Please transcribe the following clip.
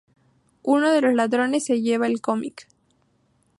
Uno de los ladrones se lleva el cómic.